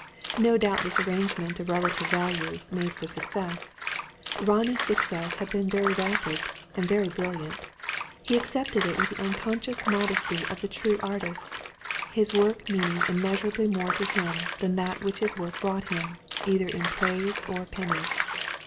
No doubt this arrangement of relative values, made for success. Ronnie's success had been very rapid, and very brilliant. He accepted it with the unconscious modesty of the true artist; his work meaning immeasurably more to him than that which his work brought him, either in praise or pennies.